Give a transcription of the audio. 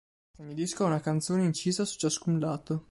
Ogni disco ha una canzone incisa in ciascun lato.